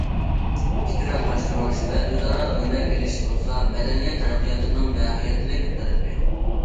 پىكىر ئالماشتۇرۇش ۋە ئۆزئارا ئۆرنەك ئېلىش بولسا، مەدەنىيەت تەرەققىياتىنىڭ ماھىيەتلىك تەلىپى.